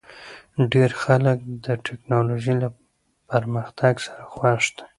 ډېر خلک د ټکنالوژۍ له پرمختګ سره خوښ دي.